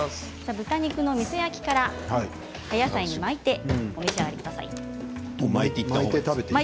豚肉のみそ焼きから葉野菜に巻いて召し上がってください。